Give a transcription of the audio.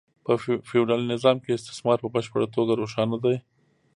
په فیوډالي نظام کې استثمار په بشپړه توګه روښانه دی